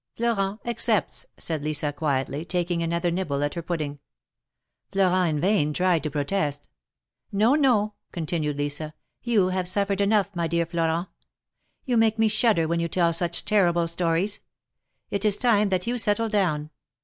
"Florent accepts," said Lisa, quietly, taking another nibble at her pudding. Florent in vain tried to protest. " No, no," continued Lisa, " you have suffered enough, my dear Florent. You make me shudder when you tell such terrible stories. It is time that you settle down.